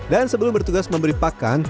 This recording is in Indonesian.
dan sebelum bertugas memberi pakan